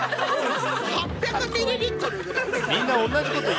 ８００ミリリットルぐらい。